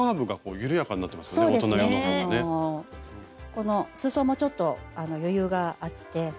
このすそもちょっと余裕があって。